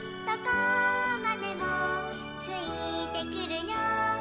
どこまでもついてくるよ」